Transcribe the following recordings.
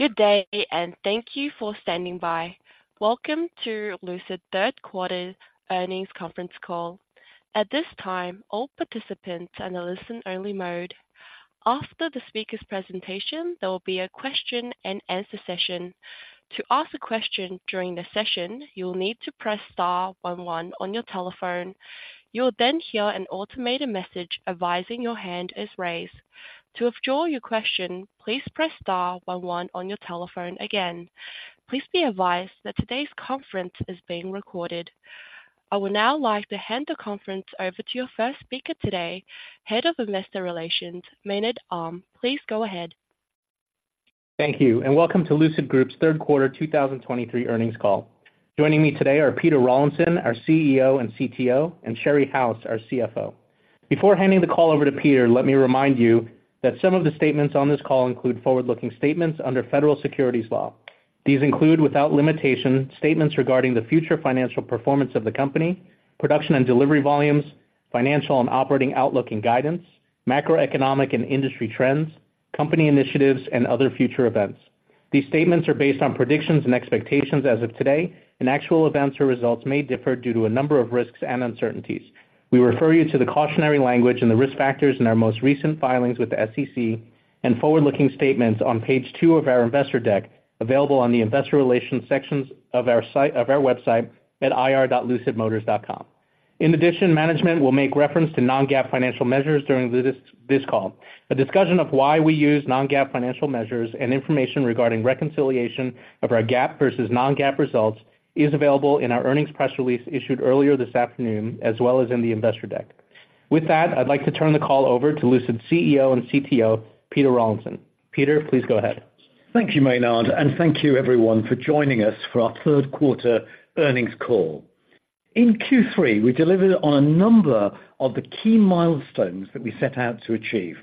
Good day, and thank you for standing by. Welcome to Lucid Third Quarter Earnings Conference Call. At this time, all participants are in a listen-only mode. After the speaker's presentation, there will be a question-and-answer session. To ask a question during the session, you will need to press star one one on your telephone. You will then hear an automated message advising your hand is raised. To withdraw your question, please press star one one on your telephone again. Please be advised that today's conference is being recorded. I would now like to hand the conference over to your first speaker today, Head of Investor Relations, Maynard Um. Please go ahead. Thank you, and welcome to Lucid Group's third quarter 2023 earnings call. Joining me today are Peter Rawlinson, our CEO and CTO, and Sherry House, our CFO. Before handing the call over to Peter, let me remind you that some of the statements on this call include forward-looking statements under federal securities law. These include, without limitation, statements regarding the future financial performance of the company, production and delivery volumes, financial and operating outlook and guidance, macroeconomic and industry trends, company initiatives, and other future events. These statements are based on predictions and expectations as of today, and actual events or results may differ due to a number of risks and uncertainties. We refer you to the cautionary language and the risk factors in our most recent filings with the SEC and forward-looking statements on page 2 of our investor deck, available on the Investor Relations section of our website at ir.lucidmotors.com. In addition, management will make reference to non-GAAP financial measures during this call. A discussion of why we use non-GAAP financial measures and information regarding reconciliation of our GAAP versus non-GAAP results is available in our earnings press release issued earlier this afternoon, as well as in the investor deck. With that, I'd like to turn the call over to Lucid's CEO and CTO, Peter Rawlinson. Peter, please go ahead. Thank you, Maynard, and thank you everyone for joining us for our third quarter earnings call. In Q3, we delivered on a number of the key milestones that we set out to achieve.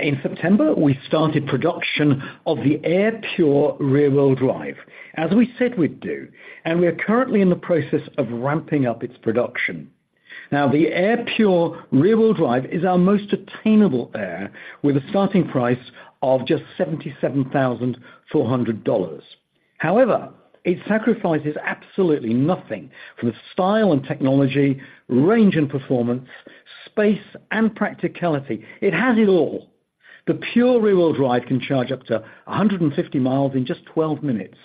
In September, we started production of the Air Pure Rear-Wheel Drive, as we said we'd do, and we are currently in the process of ramping up its production. Now, the Air Pure Rear-Wheel Drive is our most attainable Air, with a starting price of just $77,400. However, it sacrifices absolutely nothing from the style and technology, range and performance, space, and practicality. It has it all. The Pure Rear-Wheel Drive can charge up to 150 miles in just 12 minutes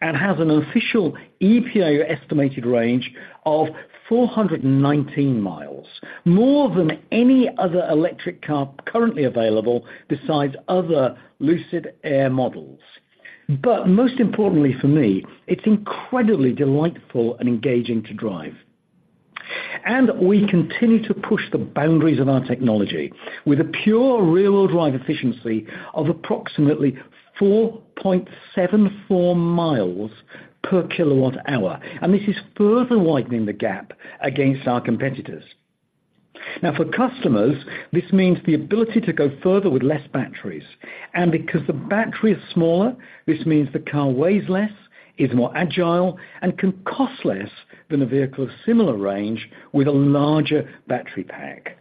and has an official EPA estimated range of 419 miles, more than any other electric car currently available besides other Lucid Air models. But most importantly for me, it's incredibly delightful and engaging to drive. And we continue to push the boundaries of our technology with a Pure Rear-Wheel Drive efficiency of approximately 4.74 miles per kWh, and this is further widening the gap against our competitors. Now, for customers, this means the ability to go further with less batteries, and because the battery is smaller, this means the car weighs less, is more agile, and can cost less than a vehicle of similar range with a larger battery pack.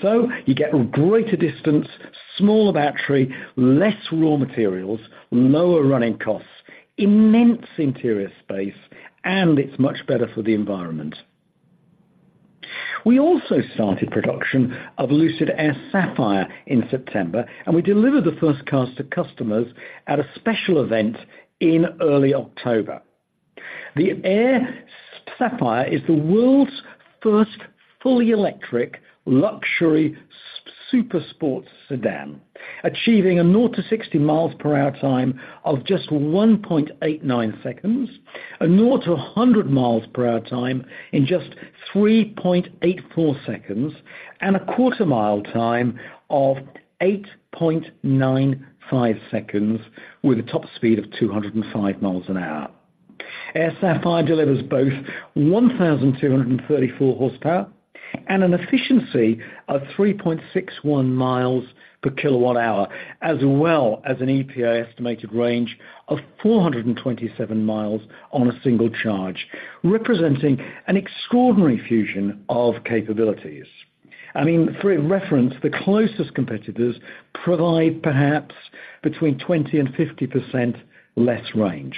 So you get greater distance, smaller battery, less raw materials, lower running costs, immense interior space, and it's much better for the environment. We also started production of Lucid Air Sapphire in September, and we delivered the first cars to customers at a special event in early October. The Air Sapphire is the world's first fully electric luxury super sports sedan, achieving a 0-60 mph time of just 1.89 seconds, a 0-100 mph time in just 3.84 seconds, and a quarter-mile time of 8.95 seconds, with a top speed of 205 mph. Air Sapphire delivers both 1,234 horsepower and an efficiency of 3.61 miles per kWh, as well as an EPA estimated range of 427 miles on a single charge, representing an extraordinary fusion of capabilities. I mean, for a reference, the closest competitors provide perhaps between 20% and 50% less range.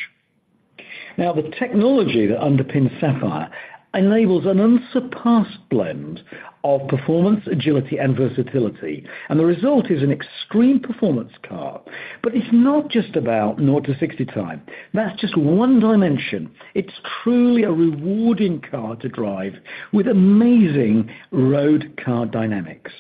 Now, the technology that underpins Sapphire enables an unsurpassed blend of performance, agility, and versatility, and the result is an extreme performance car. But it's not just about naught to sixty time. That's just one dimension. It's truly a rewarding car to drive with amazing road car dynamics.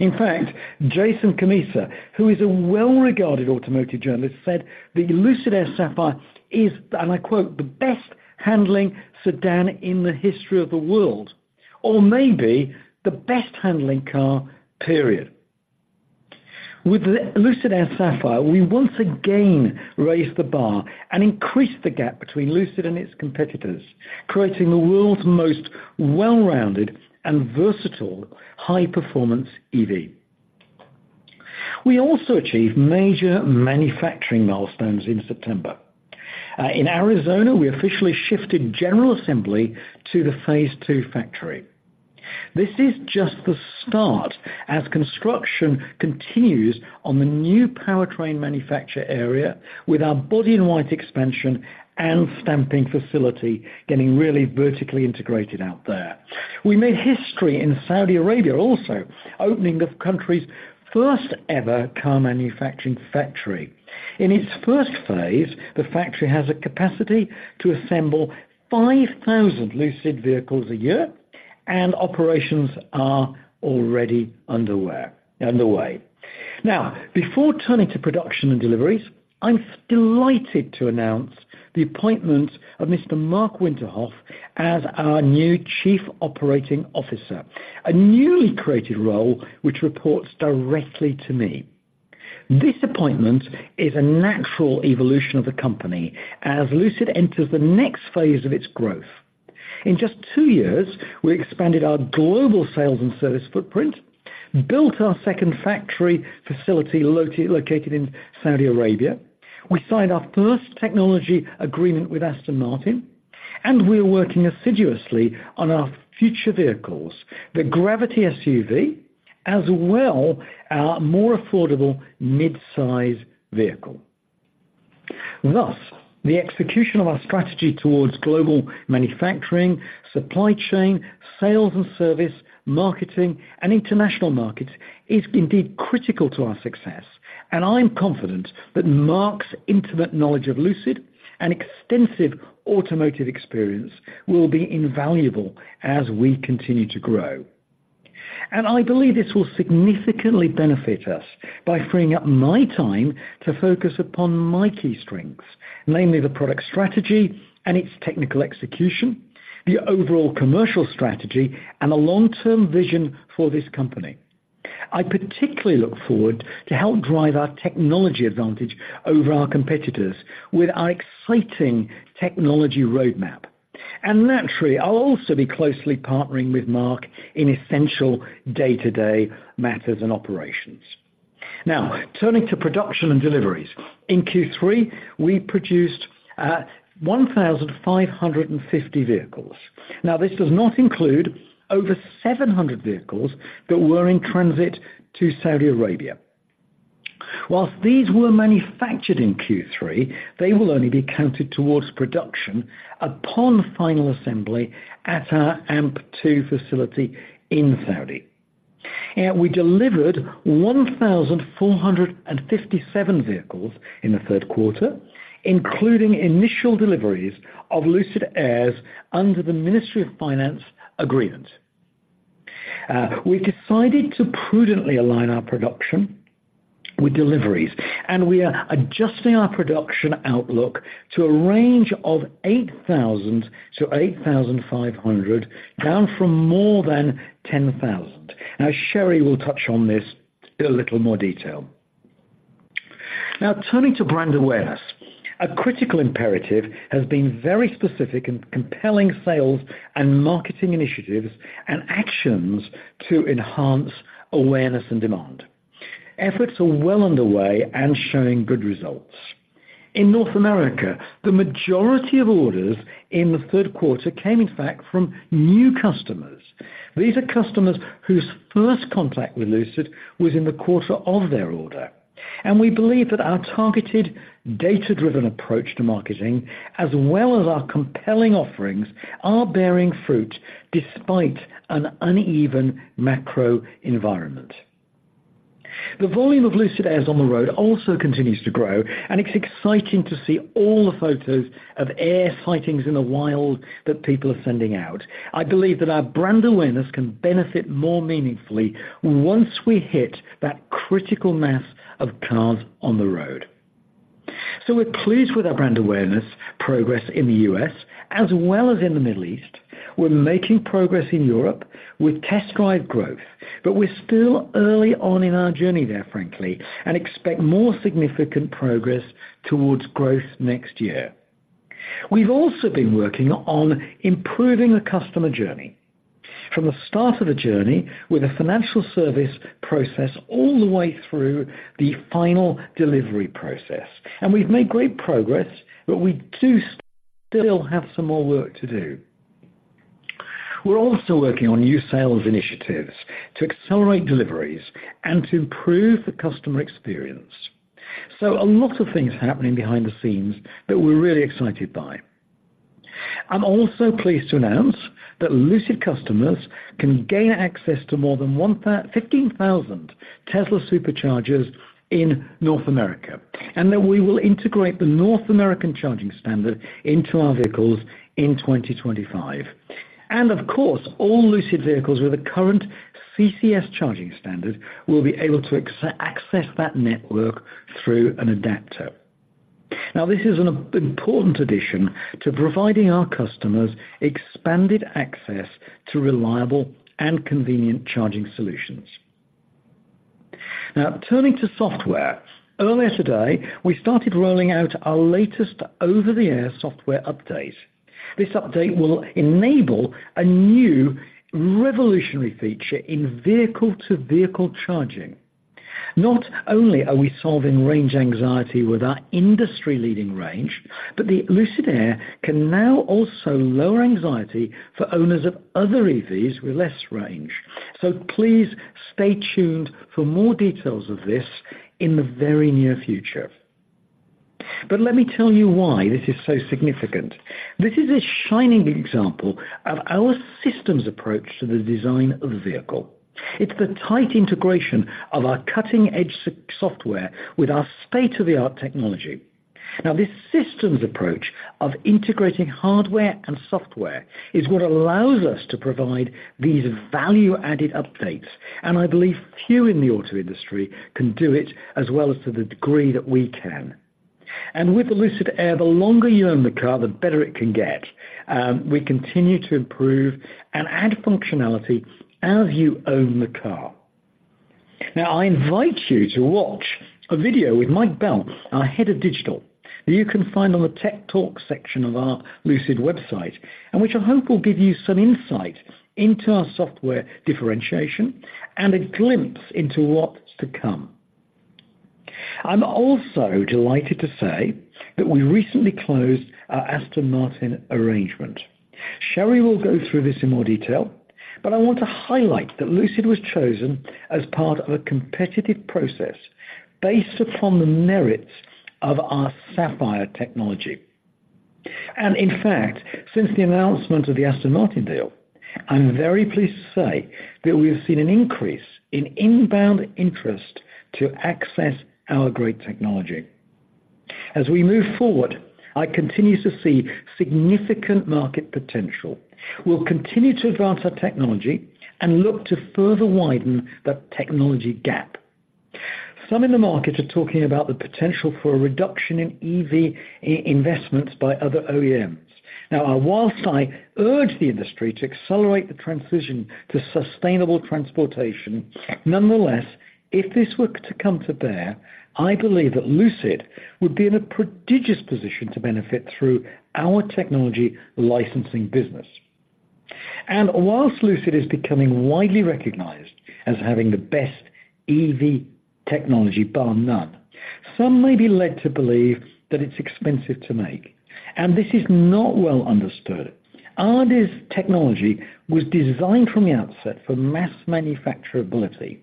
In fact, Jason Cammisa, who is a well-regarded automotive journalist, said, The Lucid Air Sapphire is, and I quote, "the best-handling sedan in the history of the world, or maybe the best-handling car, period." With the Lucid Air Sapphire, we once again raised the bar and increased the gap between Lucid and its competitors, creating the world's most well-rounded and versatile high-performance EV. We also achieved major manufacturing milestones in September. In Arizona, we officially shifted general assembly to the phase II factory.... This is just the start as construction continues on the new powertrain manufacture area, with our Body in White expansion and stamping facility getting really vertically integrated out there. We made history in Saudi Arabia, also, opening the country's first-ever car manufacturing factory. In its first phase, the factory has a capacity to assemble 5,000 Lucid vehicles a year, and operations are already underway. Now, before turning to production and deliveries, I'm delighted to announce the appointment of Mr. Marc Winterhoff as our new Chief Operating Officer, a newly created role which reports directly to me. This appointment is a natural evolution of the company as Lucid enters the next phase of its growth. In just two years, we expanded our global sales and service footprint, built our second factory facility located in Saudi Arabia. We signed our first technology agreement with Aston Martin, and we are working assiduously on our future vehicles, the Gravity SUV, as well, our more affordable mid-size vehicle. Thus, the execution of our strategy towards global manufacturing, supply chain, sales and service, marketing, and international markets is indeed critical to our success, and I'm confident that Marc's intimate knowledge of Lucid and extensive automotive experience will be invaluable as we continue to grow. I believe this will significantly benefit us by freeing up my time to focus upon my key strengths, namely, the product strategy and its technical execution, the overall commercial strategy, and a long-term vision for this company. I particularly look forward to help drive our technology advantage over our competitors with our exciting technology roadmap. Naturally, I'll also be closely partnering with Marc in essential day-to-day matters and operations. Now, turning to production and deliveries. In Q3, we produced 1,550 vehicles. Now, this does not include over 700 vehicles that were in transit to Saudi Arabia. Whilst these were manufactured in Q3, they will only be counted towards production upon final assembly at our AMP-2 facility in Saudi. We delivered 1,457 vehicles in the third quarter, including initial deliveries of Lucid Airs under the Ministry of Finance agreement. We've decided to prudently align our production with deliveries, and we are adjusting our production outlook to a range of 8,000-8,500, down from more than 10,000. Now, Sherry will touch on this in a little more detail. Now, turning to brand awareness, a critical imperative has been very specific and compelling sales and marketing initiatives and actions to enhance awareness and demand. Efforts are well underway and showing good results. In North America, the majority of orders in the third quarter came, in fact, from new customers. These are customers whose first contact with Lucid was in the quarter of their order, and we believe that our targeted, data-driven approach to marketing, as well as our compelling offerings, are bearing fruit despite an uneven macro environment. The volume of Lucid Airs on the road also continues to grow, and it's exciting to see all the photos of Air sightings in the wild that people are sending out. I believe that our brand awareness can benefit more meaningfully once we hit that critical mass of cars on the road. So we're pleased with our brand awareness progress in the U.S. as well as in the Middle East. We're making progress in Europe with test drive growth, but we're still early on in our journey there, frankly, and expect more significant progress towards growth next year. We've also been working on improving the customer journey. From the start of the journey, with a financial service process all the way through the final delivery process. We've made great progress, but we do still have some more work to do. We're also working on new sales initiatives to accelerate deliveries and to improve the customer experience. A lot of things happening behind the scenes that we're really excited by. I'm also pleased to announce that Lucid customers can gain access to more than 15,000 Tesla Superchargers in North America, and that we will integrate the North American Charging Standard into our vehicles in 2025. Of course, all Lucid vehicles with a current CCS charging standard will be able to access that network through an adapter. Now, this is an important addition to providing our customers expanded access to reliable and convenient charging solutions. Now, turning to software. Earlier today, we started rolling out our latest over-the-air software update. This update will enable a new revolutionary feature in vehicle-to-vehicle charging. Not only are we solving range anxiety with our industry-leading range, but the Lucid Air can now also lower anxiety for owners of other EVs with less range. Please stay tuned for more details of this in the very near future. Let me tell you why this is so significant. This is a shining example of our systems approach to the design of the vehicle. It's the tight integration of our cutting-edge software with our state-of-the-art technology. Now, this systems approach of integrating hardware and software is what allows us to provide these value-added updates, and I believe few in the auto industry can do it as well as to the degree that we can. And with the Lucid Air, the longer you own the car, the better it can get. We continue to improve and add functionality as you own the car. Now, I invite you to watch a video with Mike Bell, our Head of Digital, that you can find on the Tech Talk section of our Lucid website, and which I hope will give you some insight into our software differentiation and a glimpse into what's to come. I'm also delighted to say that we recently closed our Aston Martin arrangement. Sherry will go through this in more detail, but I want to highlight that Lucid was chosen as part of a competitive process based upon the merits of our Sapphire technology. In fact, since the announcement of the Aston Martin deal, I'm very pleased to say that we've seen an increase in inbound interest to access our great technology. As we move forward, I continue to see significant market potential. We'll continue to advance our technology and look to further widen that technology gap. Some in the market are talking about the potential for a reduction in EV investments by other OEMs. Now, whilst I urge the industry to accelerate the transition to sustainable transportation, nonetheless, if this were to come to bear, I believe that Lucid would be in a prodigious position to benefit through our technology licensing business. While Lucid is becoming widely recognized as having the best EV technology, bar none, some may be led to believe that it's expensive to make, and this is not well understood. Our technology was designed from the outset for mass manufacturability.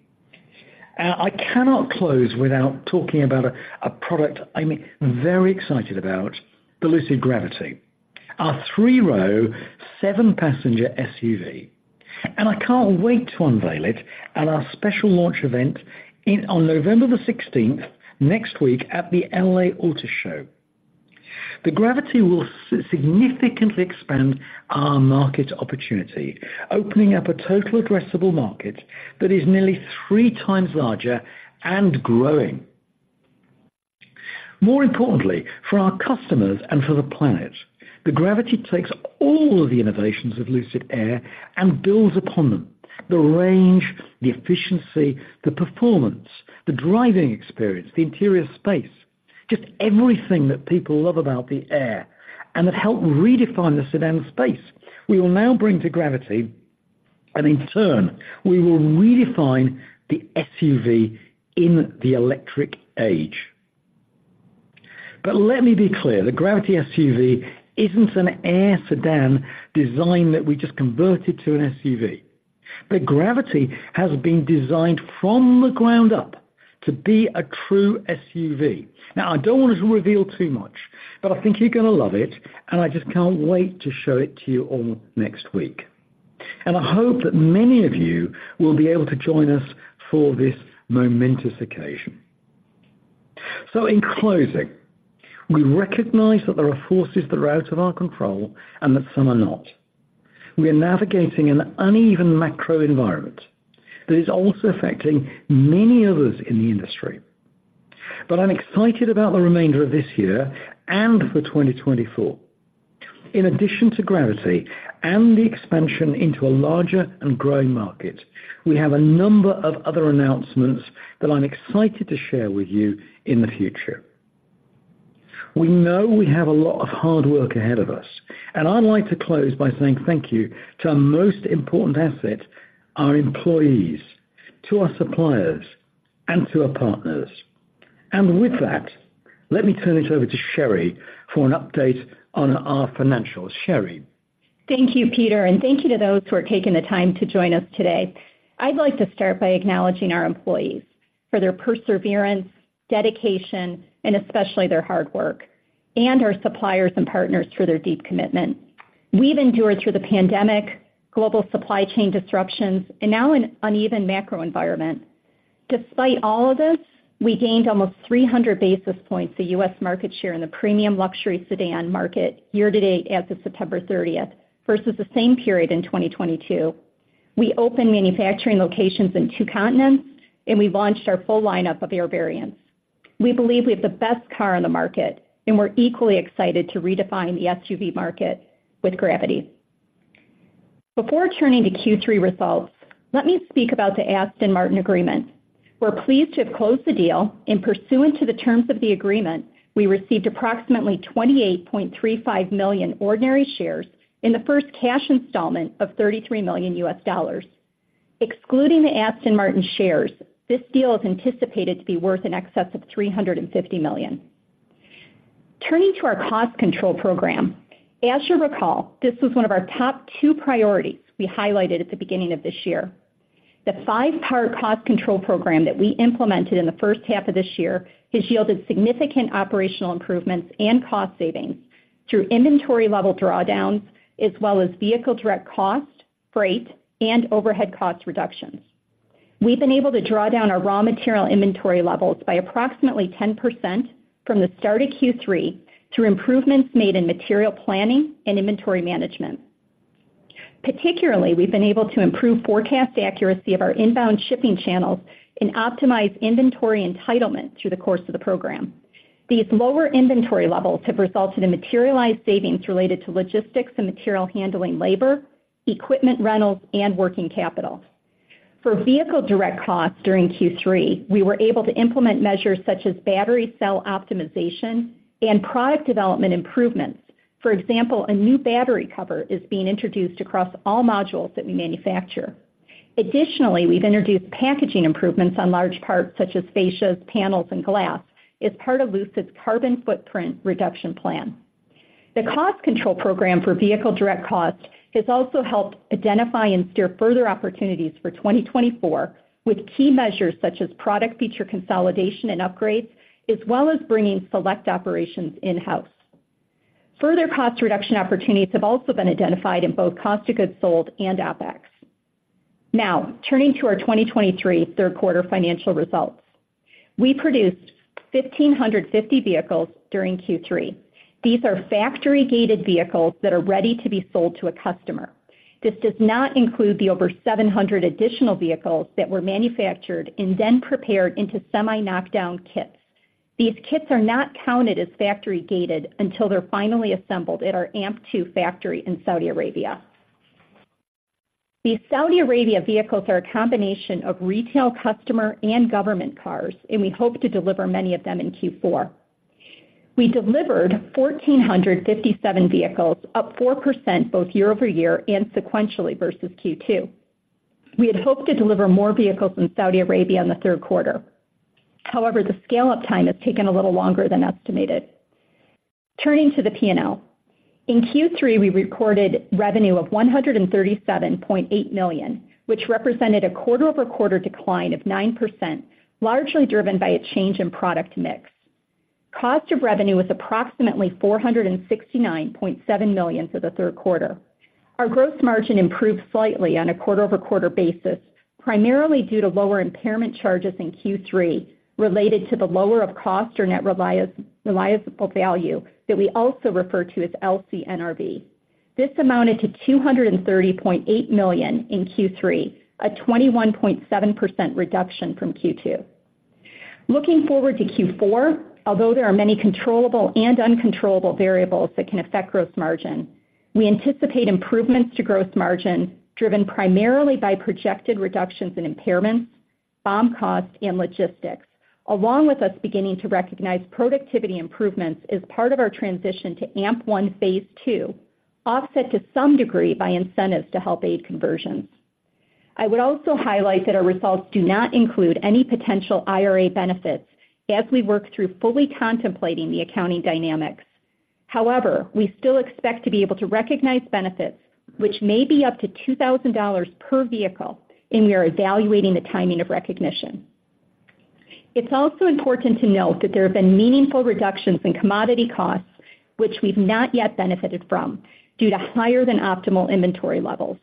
I cannot close without talking about a product I'm very excited about, the Lucid Gravity, our three-row, seven-passenger SUV, and I can't wait to unveil it at our special launch event on November the sixteenth, next week at the LA Auto Show. The Gravity will significantly expand our market opportunity, opening up a total addressable market that is nearly three times larger and growing. More importantly, for our customers and for the planet, the Gravity takes all of the innovations of Lucid Air and builds upon them: the range, the efficiency, the performance, the driving experience, the interior space. Just everything that people love about the Air and that helped redefine the sedan space. We will now bring to Gravity, and in turn, we will redefine the SUV in the electric age. But let me be clear, the Gravity SUV isn't an Air sedan design that we just converted to an SUV, but Gravity has been designed from the ground up to be a true SUV. Now, I don't want to reveal too much, but I think you're gonna love it, and I just can't wait to show it to you all next week. And I hope that many of you will be able to join us for this momentous occasion. So in closing, we recognize that there are forces that are out of our control and that some are not. We are navigating an uneven macro environment that is also affecting many others in the industry. I'm excited about the remainder of this year and for 2024. In addition to Gravity and the expansion into a larger and growing market, we have a number of other announcements that I'm excited to share with you in the future. We know we have a lot of hard work ahead of us, and I'd like to close by saying thank you to our most important asset, our employees, to our suppliers, and to our partners. With that, let me turn it over to Sherry for an update on our financials. Sherry? Thank you, Peter, and thank you to those who are taking the time to join us today. I'd like to start by acknowledging our employees for their perseverance, dedication, and especially their hard work, and our suppliers and partners for their deep commitment. We've endured through the pandemic, global supply chain disruptions, and now an uneven macro environment. Despite all of this, we gained almost 300 basis points of U.S. market share in the premium luxury sedan market year to date as of September 30, versus the same period in 2022. We opened manufacturing locations in two continents, and we've launched our full lineup of Air variants. We believe we have the best car on the market, and we're equally excited to redefine the SUV market with Gravity. Before turning to Q3 results, let me speak about the Aston Martin agreement. We're pleased to have closed the deal, and pursuant to the terms of the agreement, we received approximately 28.35 million ordinary shares in the first cash installment of $33 million. Excluding the Aston Martin shares, this deal is anticipated to be worth in excess of $350 million.... Turning to our cost control program, as you'll recall, this was one of our top two priorities we highlighted at the beginning of this year. The five-part cost control program that we implemented in the first half of this year has yielded significant operational improvements and cost savings through inventory level drawdowns, as well as vehicle direct costs, freight, and overhead cost reductions. We've been able to draw down our raw material inventory levels by approximately 10% from the start of Q3 through improvements made in material planning and inventory management. Particularly, we've been able to improve forecast accuracy of our inbound shipping channels and optimize inventory entitlement through the course of the program. These lower inventory levels have resulted in materialized savings related to logistics and material handling labor, equipment rentals, and working capital. For vehicle direct costs during Q3, we were able to implement measures such as battery cell optimization and product development improvements. For example, a new battery cover is being introduced across all modules that we manufacture. Additionally, we've introduced packaging improvements on large parts, such as fascias, panels, and glass, as part of Lucid's carbon footprint reduction plan. The cost control program for vehicle direct costs has also helped identify and steer further opportunities for 2024, with key measures such as product feature consolidation and upgrades, as well as bringing select operations in-house. Further cost reduction opportunities have also been identified in both cost of goods sold and OpEx. Now, turning to our 2023 third quarter financial results. We produced 1,550 vehicles during Q3. These are factory-gated vehicles that are ready to be sold to a customer. This does not include the over 700 additional vehicles that were manufactured and then prepared into semi-knockdown kits. These kits are not counted as factory-gated until they're finally assembled at our AMP-2 factory in Saudi Arabia. These Saudi Arabia vehicles are a combination of retail, customer, and government cars, and we hope to deliver many of them in Q4. We delivered 1,457 vehicles, up 4% both year-over-year and sequentially versus Q2. We had hoped to deliver more vehicles in Saudi Arabia in the third quarter. However, the scale-up time has taken a little longer than estimated. Turning to the P&L. In Q3, we recorded revenue of $137.8 million, which represented a quarter-over-quarter decline of 9%, largely driven by a change in product mix. Cost of revenue was approximately $469.7 million for the third quarter. Our gross margin improved slightly on a quarter-over-quarter basis, primarily due to lower impairment charges in Q3 related to the lower of cost or net realizable value, that we also refer to as LCNRV. This amounted to $230.8 million in Q3, a 21.7% reduction from Q2. Looking forward to Q4, although there are many controllable and uncontrollable variables that can affect gross margin, we anticipate improvements to gross margin, driven primarily by projected reductions in impairments, BOM cost, and logistics, along with us beginning to recognize productivity improvements as part of our transition to AMP-1 Phase 2, offset to some degree by incentives to help aid conversions. I would also highlight that our results do not include any potential IRA benefits as we work through fully contemplating the accounting dynamics. However, we still expect to be able to recognize benefits, which may be up to $2,000 per vehicle, and we are evaluating the timing of recognition. It's also important to note that there have been meaningful reductions in commodity costs, which we've not yet benefited from due to higher than optimal inventory levels.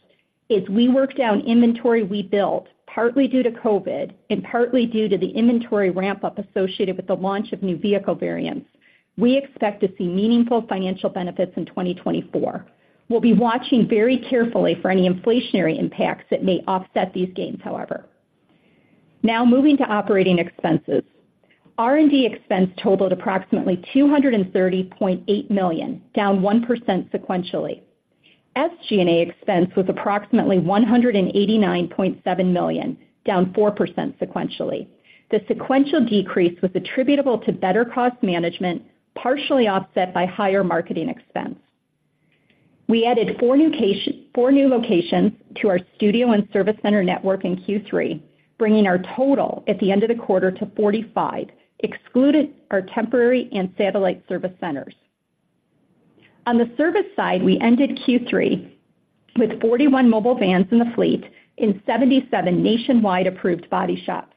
As we work down inventory we built, partly due to COVID and partly due to the inventory ramp-up associated with the launch of new vehicle variants, we expect to see meaningful financial benefits in 2024. We'll be watching very carefully for any inflationary impacts that may offset these gains, however. Now, moving to operating expenses. R&D expense totaled approximately $230.8 million, down 1% sequentially. SG&A expense was approximately $189.7 million, down 4% sequentially. The sequential decrease was attributable to better cost management, partially offset by higher marketing expense. We added 4 new locations to our studio and service center network in Q3, bringing our total at the end of the quarter to 45, excluded our temporary and satellite service centers. On the service side, we ended Q3 with 41 mobile vans in the fleet and 77 nationwide approved body shops.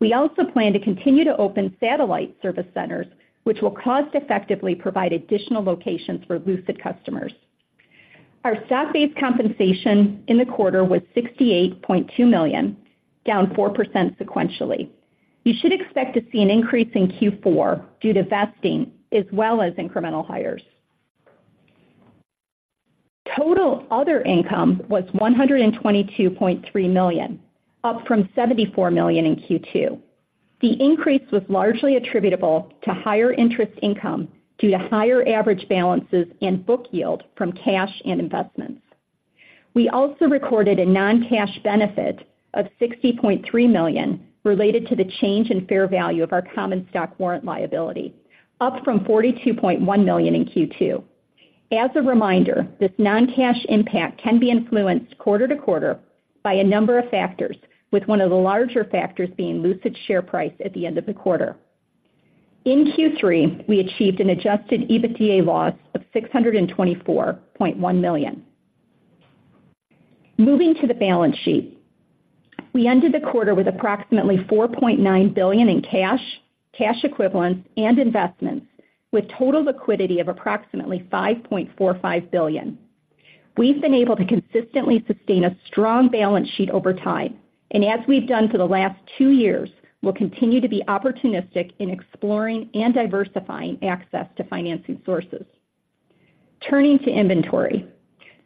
We also plan to continue to open satellite service centers, which will cost-effectively provide additional locations for Lucid customers. Our stock-based compensation in the quarter was $68.2 million, down 4% sequentially. You should expect to see an increase in Q4 due to vesting as well as incremental hires. Total other income was $122.3 million, up from $74 million in Q2. The increase was largely attributable to higher interest income due to higher average balances and book yield from cash and investments. We also recorded a non-cash benefit of $60.3 million related to the change in fair value of our common stock warrant liability, up from $42.1 million in Q2. As a reminder, this non-cash impact can be influenced quarter to quarter by a number of factors, with one of the larger factors being Lucid's share price at the end of the quarter. In Q3, we achieved an Adjusted EBITDA loss of $624.1 million. Moving to the balance sheet. We ended the quarter with approximately $4.9 billion in cash, cash equivalents, and investments, with total liquidity of approximately $5.45 billion. We've been able to consistently sustain a strong balance sheet over time, and as we've done for the last two years, we'll continue to be opportunistic in exploring and diversifying access to financing sources. Turning to inventory,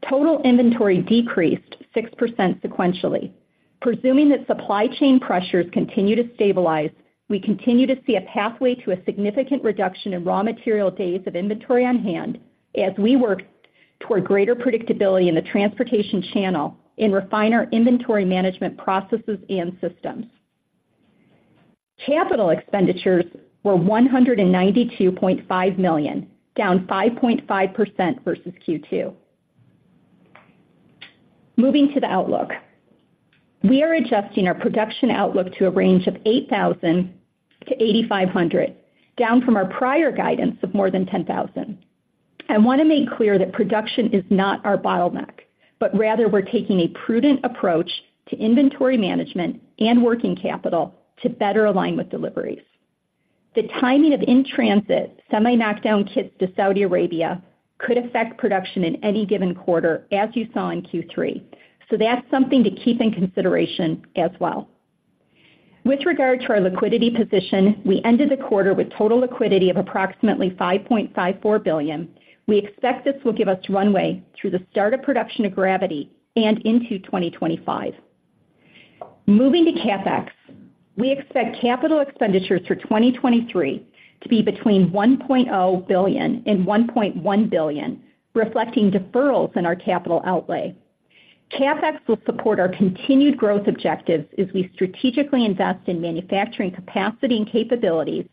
total inventory decreased 6% sequentially. Presuming that supply chain pressures continue to stabilize, we continue to see a pathway to a significant reduction in raw material days of inventory on hand as we work toward greater predictability in the transportation channel and refine our inventory management processes and systems. Capital expenditures were $192.5 million, down 5.5% versus Q2. Moving to the outlook. We are adjusting our production outlook to a range of 8,000-8,500, down from our prior guidance of more than 10,000. I wanna make clear that production is not our bottleneck, but rather we're taking a prudent approach to inventory management and working capital to better align with deliveries. The timing of in-transit semi-knocked down kits to Saudi Arabia could affect production in any given quarter, as you saw in Q3, so that's something to keep in consideration as well. With regard to our liquidity position, we ended the quarter with total liquidity of approximately $5.54 billion. We expect this will give us runway through the start of production of Gravity and into 2025. Moving to CapEx, we expect capital expenditures for 2023 to be between $1.0 billion and $1.1 billion, reflecting deferrals in our capital outlay. CapEx will support our continued growth objectives as we strategically invest in manufacturing capacity and capabilities,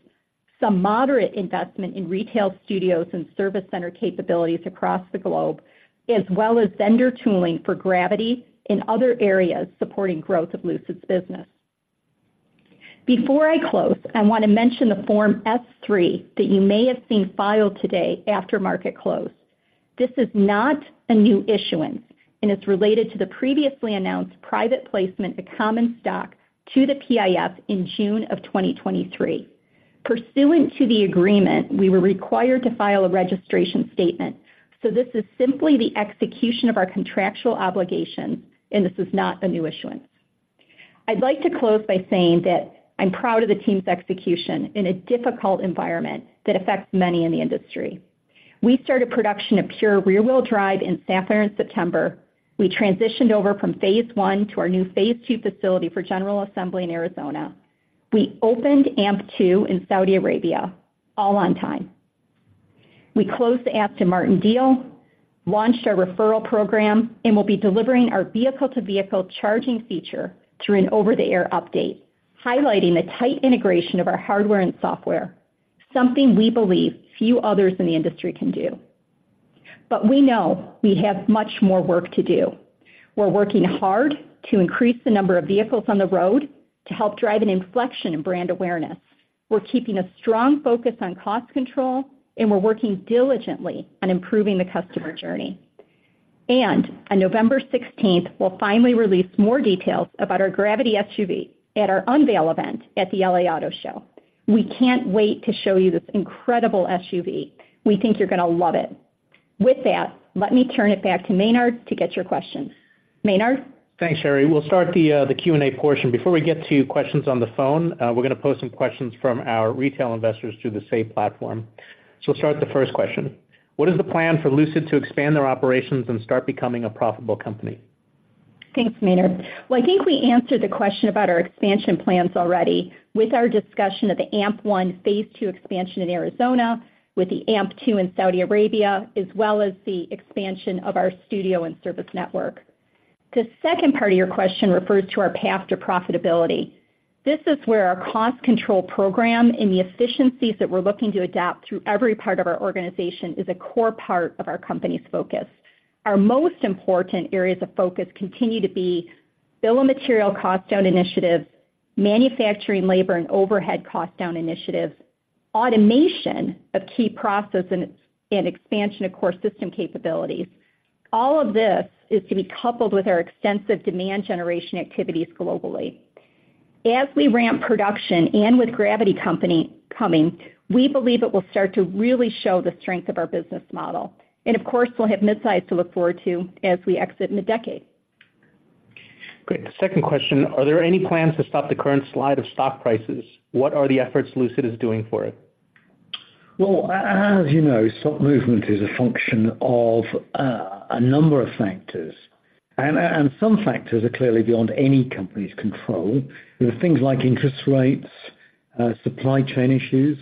some moderate investment in retail studios and service center capabilities across the globe, as well as vendor tooling for Gravity and other areas supporting growth of Lucid's business. Before I close, I wanna mention the Form S-3 that you may have seen filed today after market close. This is not a new issuance, and it's related to the previously announced private placement of common stock to the PIF in June of 2023. Pursuant to the agreement, we were required to file a registration statement, so this is simply the execution of our contractual obligation, and this is not a new issuance. I'd like to close by saying that I'm proud of the team's execution in a difficult environment that affects many in the industry. We started production of Pure rear-wheel drive in Sanford in September. We transitioned over from Phase 1 to our new Phase 2 facility for general assembly in Arizona. We opened AMP-2 in Saudi Arabia, all on time. We closed the Aston Martin deal, launched our referral program, and will be delivering our vehicle-to-vehicle charging feature through an over-the-air update, highlighting the tight integration of our hardware and software, something we believe few others in the industry can do. But we know we have much more work to do. We're working hard to increase the number of vehicles on the road to help drive an inflection in brand awareness. We're keeping a strong focus on cost control, and we're working diligently on improving the customer journey. On November sixteenth, we'll finally release more details about our Gravity SUV at our unveil event at the LA Auto Show. We can't wait to show you this incredible SUV. We think you're gonna love it. With that, let me turn it back to Maynard to get your questions. Maynard? Thanks, Sherry. We'll start the Q&A portion. Before we get to questions on the phone, we're gonna post some questions from our retail investors through the Safe platform. So I'll start the first question: What is the plan for Lucid to expand their operations and start becoming a profitable company? Thanks, Maynard. Well, I think we answered the question about our expansion plans already with our discussion of the AMP1 Phase 2 expansion in Arizona, with the AMP2 in Saudi Arabia, as well as the expansion of our studio and service network. The second part of your question refers to our path to profitability. This is where our cost control program and the efficiencies that we're looking to adapt through every part of our organization is a core part of our company's focus. Our most important areas of focus continue to be bill of material cost down initiatives, manufacturing, labor, and overhead cost down initiatives, automation of key processes and expansion of core system capabilities. All of this is to be coupled with our extensive demand generation activities globally. As we ramp production and with Gravity coming, we believe it will start to really show the strength of our business model, and of course, we'll have midsize to look forward to as we exit in the decade. Great. The second question: Are there any plans to stop the current slide of stock prices? What are the efforts Lucid is doing for it? Well, as you know, stock movement is a function of a number of factors, and some factors are clearly beyond any company's control. There are things like interest rates, supply chain issues,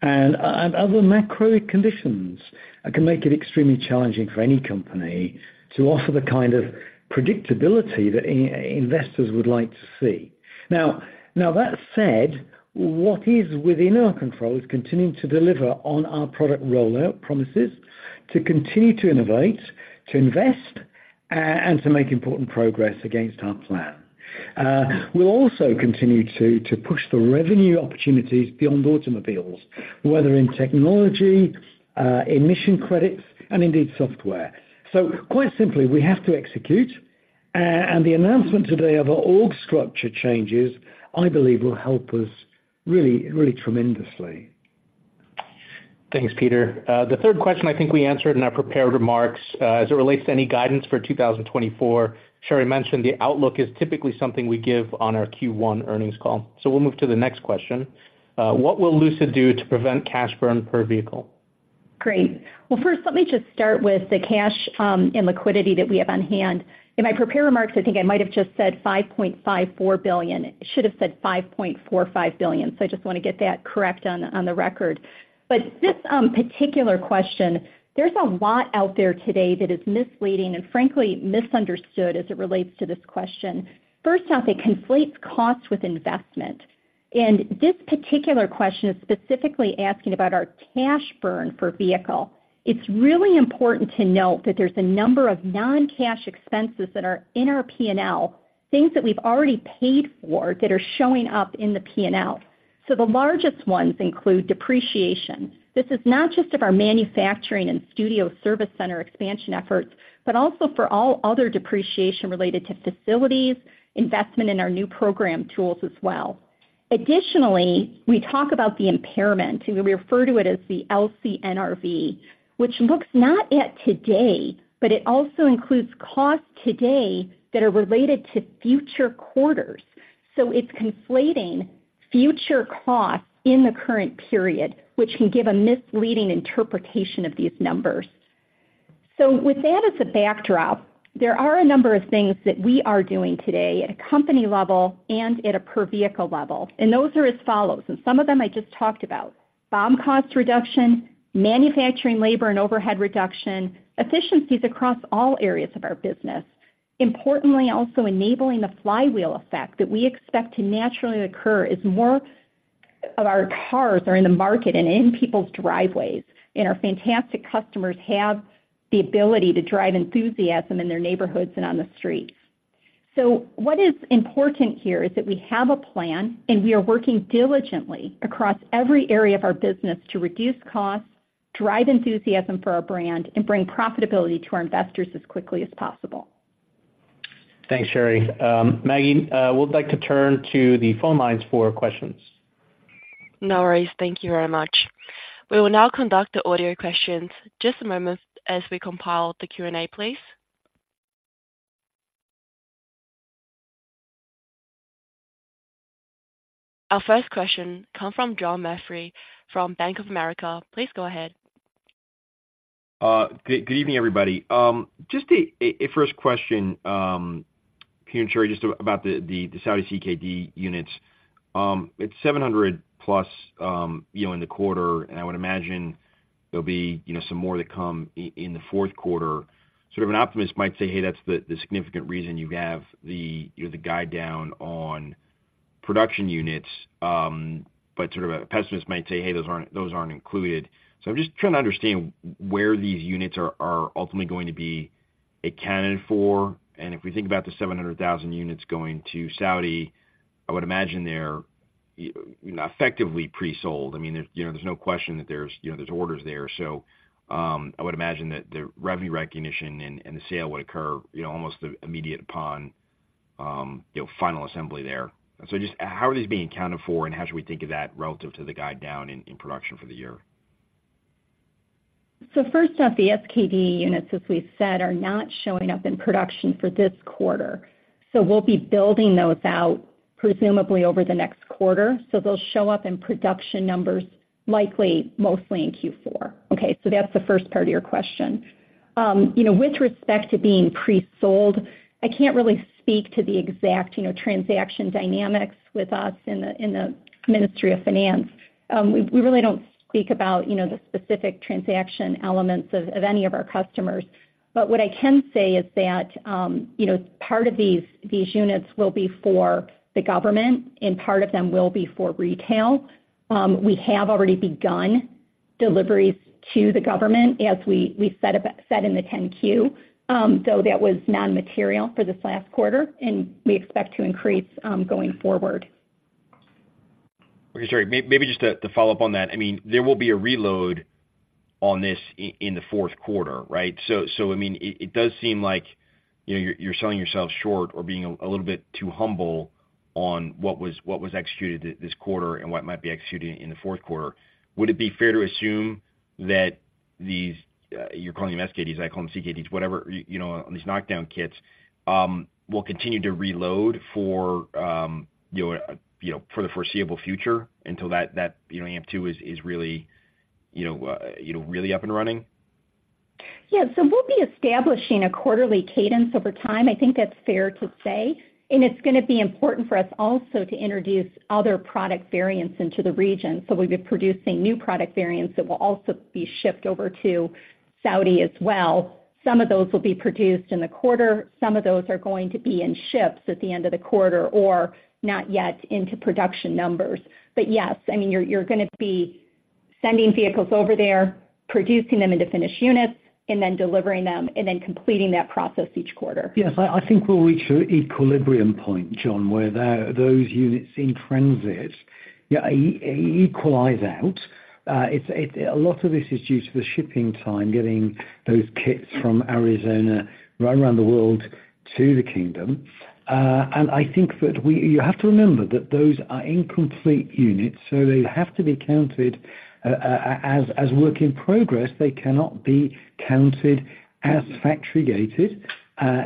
and other macro conditions that can make it extremely challenging for any company to offer the kind of predictability that investors would like to see. Now, that said, what is within our control is continuing to deliver on our product rollout promises, to continue to innovate, to invest and to make important progress against our plan. We'll also continue to push the revenue opportunities beyond automobiles, whether in technology, emission credits, and indeed, software. So quite simply, we have to execute, and the announcement today of our org structure changes, I believe, will help us really, really tremendously. Thanks, Peter. The third question, I think we answered in our prepared remarks, as it relates to any guidance for 2024, Sherry mentioned the outlook is typically something we give on our Q1 earnings call. So we'll move to the next question. What will Lucid do to prevent cash burn per vehicle? Great. Well, first, let me just start with the cash and liquidity that we have on hand. In my prepared remarks, I think I might have just said $5.54 billion. It should have said $5.45 billion. So I just wanna get that correct on, on the record. But this particular question, there's a lot out there today that is misleading and frankly misunderstood as it relates to this question. First off, it conflates cost with investment, and this particular question is specifically asking about our cash burn per vehicle. It's really important to note that there's a number of non-cash expenses that are in our P&L, things that we've already paid for that are showing up in the P&L. So the largest ones include depreciation. This is not just of our manufacturing and studio service center expansion efforts, but also for all other depreciation related to facilities, investment in our new program tools as well. Additionally, we talk about the impairment, and we refer to it as the LCNRV, which looks not at today, but it also includes costs today that are related to future quarters. So it's conflating future costs in the current period, which can give a misleading interpretation of these numbers. So with that as a backdrop, there are a number of things that we are doing today at a company level and at a per-vehicle level, and those are as follows, and some of them I just talked about. BOM cost reduction, manufacturing, labor, and overhead reduction, efficiencies across all areas of our business. Importantly, also enabling the flywheel effect that we expect to naturally occur as more of our cars are in the market and in people's driveways, and our fantastic customers have the ability to drive enthusiasm in their neighborhoods and on the streets. So what is important here is that we have a plan, and we are working diligently across every area of our business to reduce costs, drive enthusiasm for our brand, and bring profitability to our investors as quickly as possible. Thanks, Sherry. Maggie would like to turn to the phone lines for questions. No worries. Thank you very much. We will now conduct the audio questions. Just a moment as we compile the Q&A, please. Our first question come from John Murphy from Bank of America. Please go ahead. Good evening, everybody. Just a first question, Peter and Sherry, just about the Saudi CKD units. It's 700+, you know, in the quarter, and I would imagine there'll be, you know, some more that come in the fourth quarter. Sort of an optimist might say, "Hey, that's the significant reason you have the, you know, the guide down on production units," but sort of a pessimist might say, "Hey, those aren't included." So I'm just trying to understand where these units are ultimately going to be accounted for. And if we think about the 700,000 units going to Saudi, I would imagine they're, you know, effectively pre-sold. I mean, there, you know, there's no question that there's, you know, there's orders there. So, I would imagine that the revenue recognition and the sale would occur, you know, almost immediate upon, you know, final assembly there. So just how are these being accounted for, and how should we think of that relative to the guide down in production for the year? First off, the SKD units, as we've said, are not showing up in production for this quarter. We'll be building those out presumably over the next quarter. They'll show up in production numbers, likely, mostly in Q4. Okay, that's the first part of your question. You know, with respect to being pre-sold, I can't really speak to the exact, you know, transaction dynamics with us in the Ministry of Finance. We really don't speak about, you know, the specific transaction elements of any of our customers. But what I can say is that, you know, part of these units will be for the government, and part of them will be for retail. We have already begun deliveries to the government, as we said in the 10-Q, though that was non-material for this last quarter, and we expect to increase going forward. Okay, sorry. Maybe just to follow up on that, I mean, there will be a reload on this in the fourth quarter, right? So, I mean, it does seem like, you know, you're selling yourself short or being a little bit too humble on what was executed this quarter and what might be executed in the fourth quarter. Would it be fair to assume that these, you're calling them SKDs, I call them CKDs, whatever, you know, these knockdown kits, will continue to reload for, you know, for the foreseeable future until that, you know, AMP-2 is really up and running? Yeah. So we'll be establishing a quarterly cadence over time. I think that's fair to say, and it's gonna be important for us also to introduce other product variants into the region. So we'll be producing new product variants that will also be shipped over to Saudi as well. Some of those will be produced in the quarter. Some of those are going to be in ships at the end of the quarter or not yet into production numbers. But yes, I mean, you're gonna be sending vehicles over there, producing them into finished units, and then delivering them, and then completing that process each quarter. Yes, I think we'll reach an equilibrium point, John, where those units in transit, yeah, equalize out. It's a lot of this is due to the shipping time, getting those kits from Arizona right around the world to the kingdom. And I think that you have to remember that those are incomplete units, so they have to be counted as work in progress. They cannot be counted as factory-gated.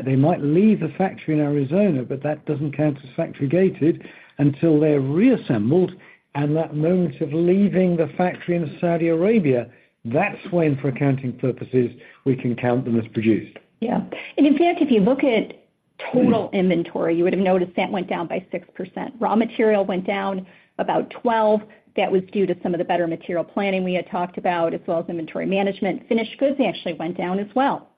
They might leave the factory in Arizona, but that doesn't count as factory-gated until they're reassembled, and that moment of leaving the factory in Saudi Arabia, that's when, for accounting purposes, we can count them as produced. Yeah. And in fact, if you look at total inventory, you would have noticed that went down by 6%. Raw material went down about 12%. That was due to some of the better material planning we had talked about, as well as inventory management. Finished goods actually went down as well,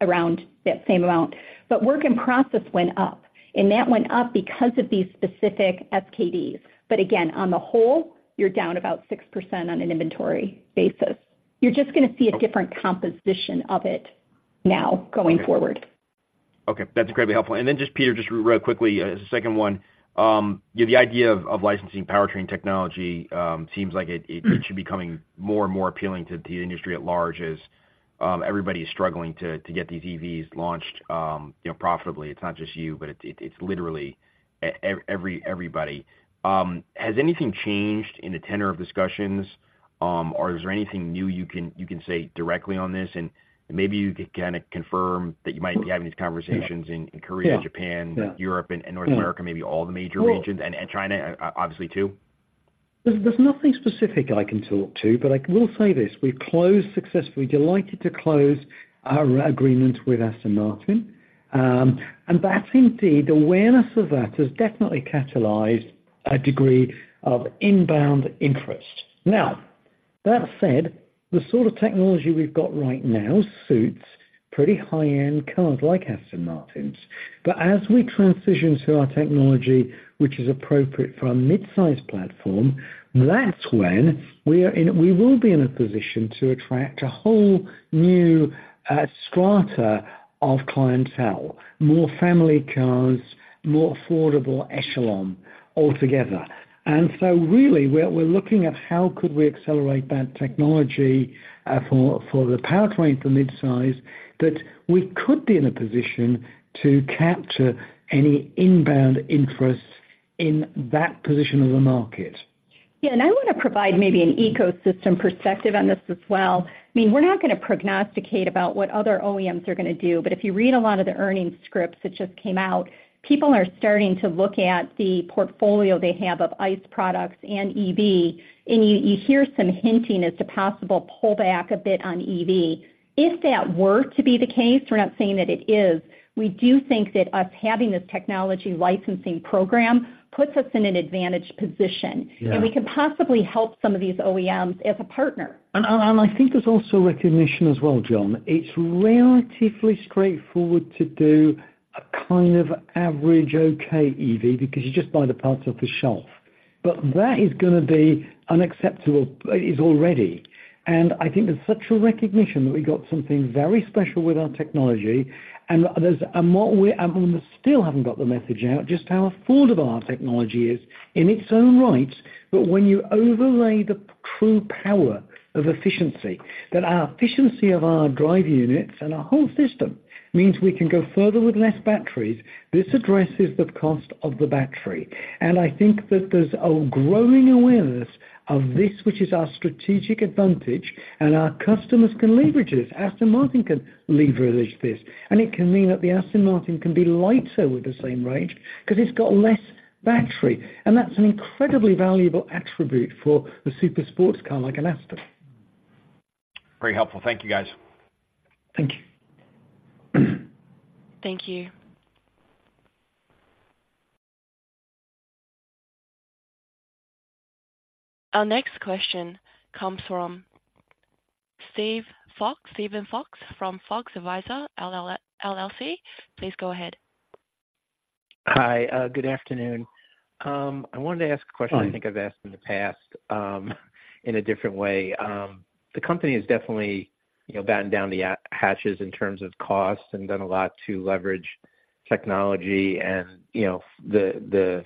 around that same amount. But work in process went up, and that went up because of these specific SKDs. But again, on the whole, you're down about 6% on an inventory basis. You're just gonna see a different composition of it now going forward. Okay, that's incredibly helpful. And then just, Peter, just really quickly, as a second one, yeah, the idea of licensing powertrain technology seems like it, it- Mm. -should be becoming more and more appealing to the industry at large as everybody is struggling to get these EVs launched, you know, profitably. It's not just you, but it's literally everybody. Has anything changed in the tenor of discussions, or is there anything new you can say directly on this? And maybe you could kinda confirm that you might be having these conversations in- Yeah. -Korea, Japan- Yeah. Europe, and North America Yeah. Maybe all the major regions, and China, obviously, too. There's nothing specific I can talk to, but I will say this: We've closed successfully, delighted to close our agreement with Aston Martin. And that indeed, awareness of that has definitely catalyzed a degree of inbound interest. Now, that said, the sort of technology we've got right now suits pretty high-end cars like Aston Martins. But as we transition to our technology, which is appropriate for a mid-sized platform, that's when we will be in a position to attract a whole new strata of clientele, more family cars, more affordable echelon altogether. And so really, we're looking at how could we accelerate that technology for the powertrain for mid-size, that we could be in a position to capture any inbound interest in that position of the market. Yeah, and I wanna provide maybe an ecosystem perspective on this as well. I mean, we're not gonna prognosticate about what other OEMs are gonna do, but if you read a lot of the earnings scripts that just came out, people are starting to look at the portfolio they have of ICE products and EV, and you hear some hinting as to possible pull back a bit on EV. If that were to be the case, we're not saying that it is, we do think that us having this technology licensing program puts us in an advantaged position. Yeah. We can possibly help some of these OEMs as a partner. I think there's also recognition as well, John. It's relatively straightforward to do a kind of average okay EV, because you just buy the parts off the shelf. But that is gonna be unacceptable, it is already. I think there's such a recognition that we got something very special with our technology, and we still haven't got the message out, just how affordable our technology is in its own right. But when you overlay the true power of efficiency, that our efficiency of our drive units and our whole system means we can go further with less batteries. This addresses the cost of the battery. I think that there's a growing awareness of this, which is our strategic advantage, and our customers can leverage this. Aston Martin can leverage this, and it can mean that the Aston Martin can be lighter with the same range, 'cause it's got less battery. That's an incredibly valuable attribute for a super sports car like an Aston. Very helpful. Thank you, guys. Thank you. Thank you. Our next question comes from Steven Fox from Fox Advisors, LLC. Please go ahead. Hi, good afternoon. I wanted to ask a question- Hi I think I've asked in the past, in a different way. The company has definitely, you know, batten down the hatches in terms of cost and done a lot to leverage technology and, you know, the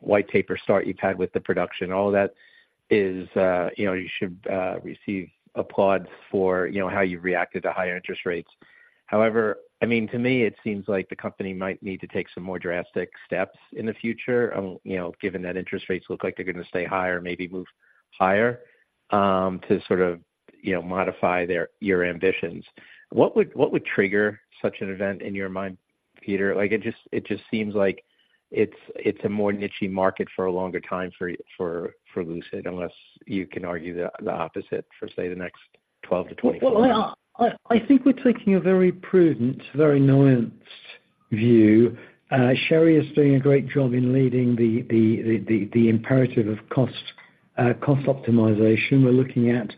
white paper start you've had with the production. All that is, you know, you should receive applause for, you know, how you've reacted to higher interest rates. However, I mean, to me, it seems like the company might need to take some more drastic steps in the future, you know, given that interest rates look like they're gonna stay higher, maybe move higher, to sort of, you know, modify their, your ambitions. What would trigger such an event in your mind, Peter? Like, it just seems like it's a more niche-y market for a longer time for Lucid, unless you can argue the opposite for, say, the next 12-24 months. Well, I think we're taking a very prudent, very nuanced view. Sherry is doing a great job in leading the imperative of cost optimization. We're looking at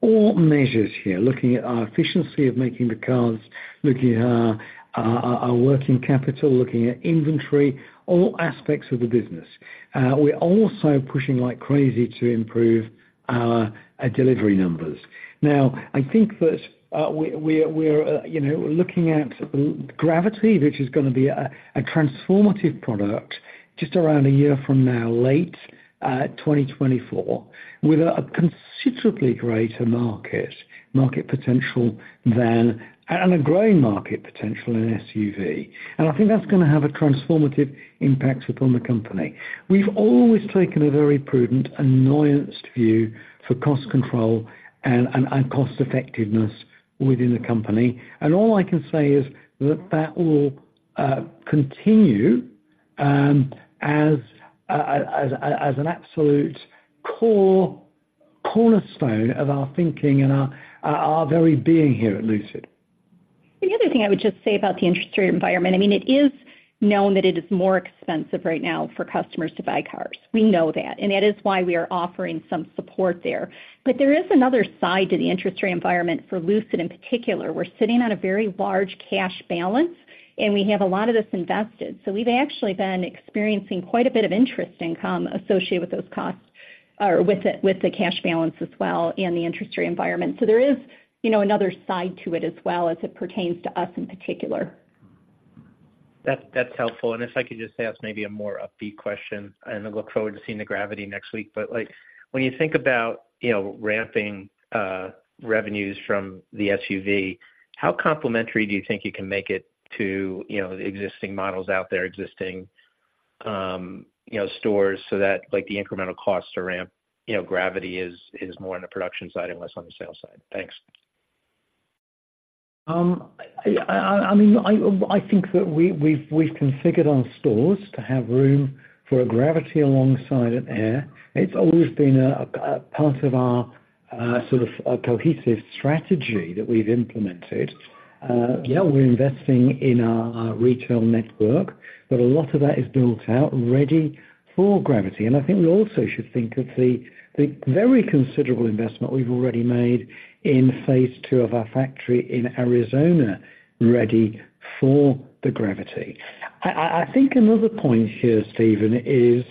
all measures here, looking at our efficiency of making the cars, looking at our working capital, looking at inventory, all aspects of the business. We're also pushing like crazy to improve our delivery numbers. Now, I think that we are, we're, you know, looking at Gravity, which is gonna be a transformative product just around a year from now, late 2024, with a considerably greater market potential than and a growing market potential in SUV. And I think that's gonna have a transformative impact upon the company. We've always taken a very prudent and nuanced view for cost control and cost effectiveness within the company. And all I can say is that will continue as an absolute core cornerstone of our thinking and our very being here at Lucid. The other thing I would just say about the interest rate environment, I mean, it is known that it is more expensive right now for customers to buy cars. We know that, and that is why we are offering some support there. But there is another side to the interest environment for Lucid in particular. We're sitting on a very large cash balance, and we have a lot of this invested. So we've actually been experiencing quite a bit of interest income associated with those costs or with the, with the cash balance as well, and the interest rate environment. So there is, you know, another side to it as well as it pertains to us in particular. That's, that's helpful. And if I could just ask maybe a more upbeat question, and I look forward to seeing the Gravity next week. But, like, when you think about, you know, ramping revenues from the SUV, how complementary do you think you can make it to, you know, the existing models out there, existing, you know, stores, so that, like, the incremental costs to ramp, you know, Gravity is more on the production side and less on the sales side? Thanks. I mean, I think that we've configured our stores to have room for a Gravity alongside an Air. It's always been a part of our sort of a cohesive strategy that we've implemented. Yeah, we're investing in our retail network, but a lot of that is built out ready for Gravity. And I think we also should think of the very considerable investment we've already made in phase two of our factory in Arizona, ready for the Gravity. I think another point here, Steven, is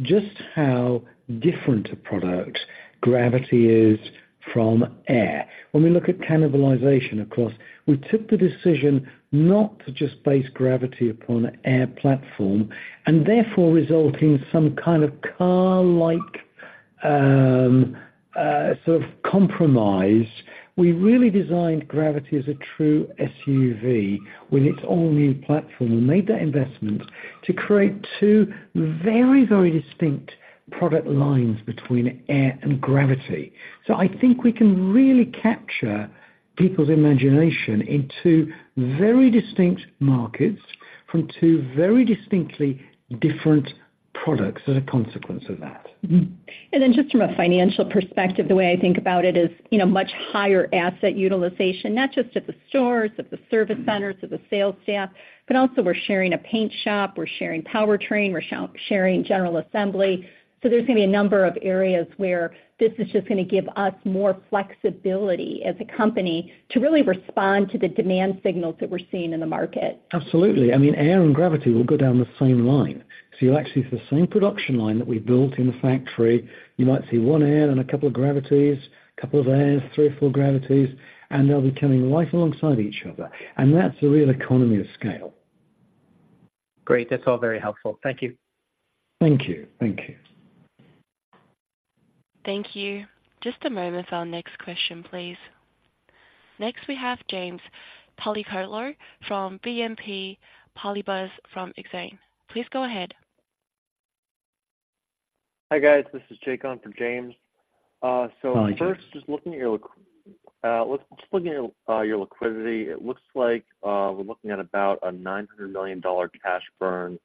just how different a product Gravity is from Air. When we look at cannibalization, of course, we took the decision not to just base Gravity upon Air platform, and therefore result in some kind of car-like sort of compromise. We really designed Gravity as a true SUV with its all-new platform. We made that investment to create two very, very distinct product lines between Air and Gravity. So I think we can really capture people's imagination in two very distinct markets from two very distinctly different products as a consequence of that. Then just from a financial perspective, the way I think about it is, you know, much higher asset utilization, not just at the stores, at the service centers, at the sales staff, but also we're sharing a paint shop, we're sharing powertrain, we're sharing general assembly. So there's gonna be a number of areas where this is just gonna give us more flexibility as a company to really respond to the demand signals that we're seeing in the market. Absolutely. I mean, Air and Gravity will go down the same line. So you'll actually, the same production line that we built in the factory, you might see one Air and a couple of Gravities, a couple of Airs, three or four Gravities, and they'll be coming right alongside each other, and that's a real economy of scale. Great. That's all very helpful. Thank you. Thank you. Thank you. Thank you. Just a moment for our next question, please. Next, we have James Picariello from BNP Paribas Exane. Please go ahead. Hi, guys. This is Jake on for James. Hi, Jake. So first, just looking at your liquidity, it looks like we're looking at about a $900 million cash burn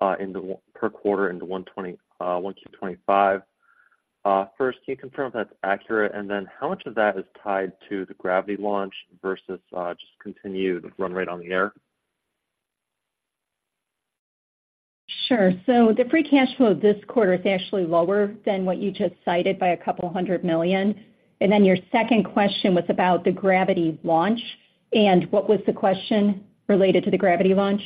per quarter into 1Q 2025. First, can you confirm if that's accurate? And then how much of that is tied to the Gravity launch versus just continued run rate on the Air? Sure. So the free cash flow this quarter is actually lower than what you just cited by $200 million. And then your second question was about the Gravity launch, and what was the question related to the Gravity launch?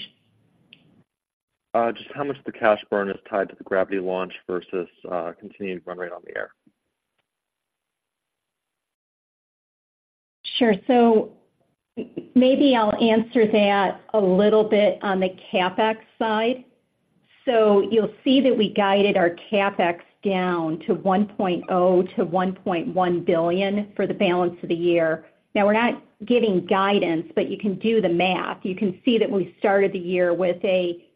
Just how much of the cash burn is tied to the Gravity launch versus continued run rate on the Air? Sure. So maybe I'll answer that a little bit on the CapEx side. So you'll see that we guided our CapEx down to $1.0 billion-$1.1 billion for the balance of the year. Now, we're not giving guidance, but you can do the math. You can see that we started the year with a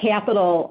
capital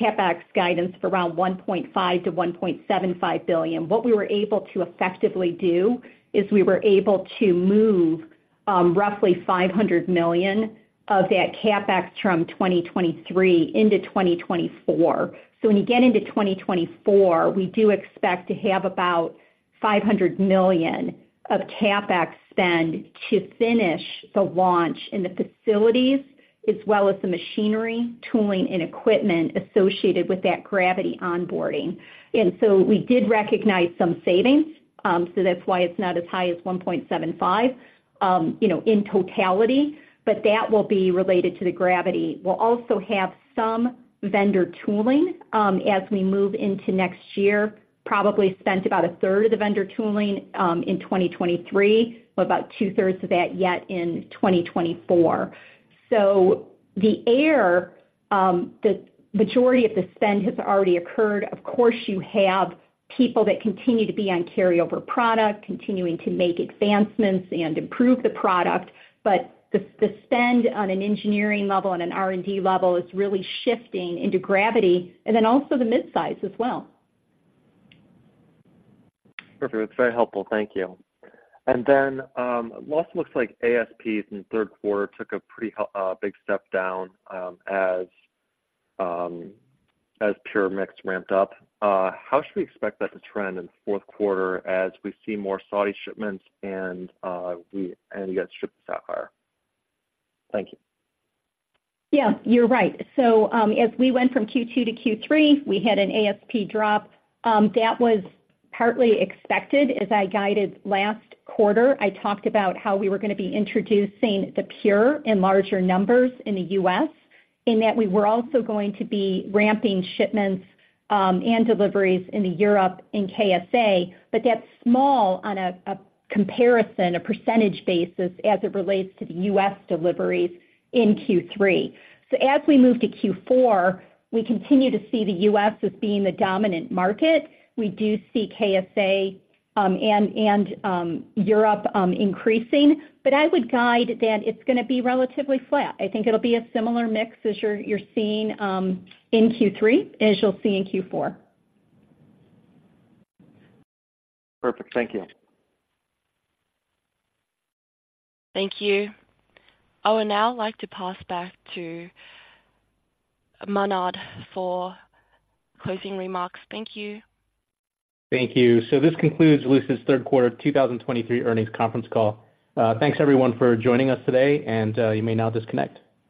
CapEx guidance of around $1.5 billion-$1.75 billion. What we were able to effectively do is we were able to move roughly $500 million of that CapEx from 2023 into 2024. So when you get into 2024, we do expect to have about $500 million of CapEx spend to finish the launch in the facilities as well as the machinery, tooling, and equipment associated with that Gravity onboarding. And so we did recognize some savings, so that's why it's not as high as 1.75, you know, in totality, but that will be related to the Gravity. We'll also have some vendor tooling, as we move into next year, probably spent about a third of the vendor tooling, in 2023, but about two-thirds of that yet in 2024. So the Air, the majority of the spend has already occurred. Of course, you have people that continue to be on carryover product, continuing to make advancements and improve the product, but the spend on an engineering level and an R&D level is really shifting into Gravity, and then also the midsize as well. Perfect. That's very helpful. Thank you. Then, it also looks like ASPs in the third quarter took a pretty big step down, as Pure mix ramped up. How should we expect that to trend in the fourth quarter as we see more Saudi shipments and you guys ship the Sapphire? Thank you. Yeah, you're right. So, as we went from Q2 to Q3, we had an ASP drop. That was partly expected. As I guided last quarter, I talked about how we were going to be introducing the pure in larger numbers in the U.S., and that we were also going to be ramping shipments and deliveries into Europe and KSA. But that's small on a comparison, a percentage basis, as it relates to the U.S. deliveries in Q3. So as we move to Q4, we continue to see the U.S. as being the dominant market. We do see KSA and Europe increasing, but I would guide that it's going to be relatively flat. I think it'll be a similar mix as you're seeing in Q3, as you'll see in Q4. Perfect. Thank you. Thank you. I would now like to pass back to Maynard for closing remarks. Thank you. Thank you. This concludes Lucid's third quarter of 2023 earnings conference call. Thanks everyone for joining us today, and you may now disconnect.